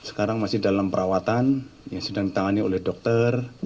sekarang masih dalam perawatan yang sedang ditangani oleh dokter